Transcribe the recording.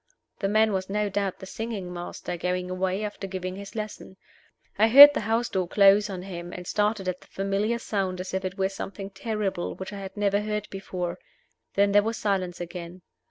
The man was no doubt the singing master, going away after giving his lesson. I heard the house door close on him, and started at the familiar sound as if it were something terrible which I had never heard before. Then there was silence again.